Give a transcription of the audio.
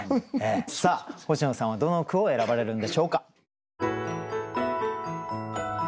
さあ星野さんはどの句を選ばれるんでしょうか。